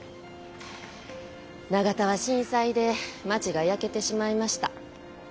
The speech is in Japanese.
長田は震災で町が焼けてしまいました。